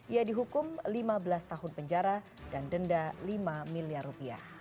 ia dihukum lima belas tahun penjara dan denda lima miliar rupiah